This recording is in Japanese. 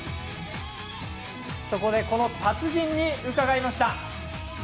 そこで、この達人に伺いました。